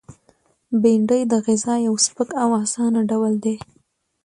بېنډۍ د غذا یو سپک او آسانه ډول دی